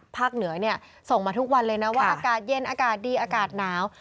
เหนือเนี่ยส่งมาทุกวันเลยนะว่าอากาศเย็นอากาศดีอากาศหนาว